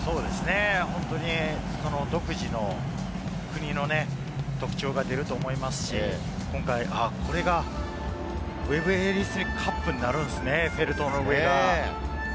本当に独自の国の特徴が出ると思いますし、今回、これがウェブ・エリス・カップになるんですね。